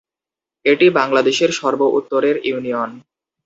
এটি বাংলাদেশের সর্ব উত্তরের ইউনিয়ন।